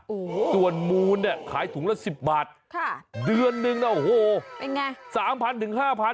โอ้โหส่วนมูลเนี่ยขายถุงละ๑๐บาทโอ้โหเป็นไง